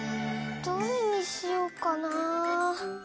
どれにしようかな？